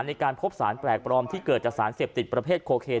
ในการพบสารแปลกปลอมที่เกิดจากสารเสพติดประเภทโคเคน